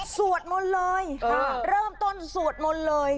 สวดมนต์เลยเริ่มต้นสวดมนต์เลย